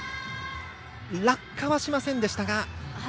落下はしませんでしたが。